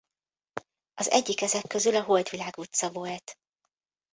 Az egyik ezek közül a Holdvilág utca volt.